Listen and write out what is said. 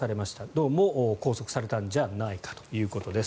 どうも拘束されたんじゃないかということです。